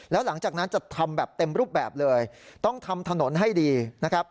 แล้วหลังจากนั้นจะทำแบบเต็มรูปแบบเลยต้องทำถนนให้ดีนะครับ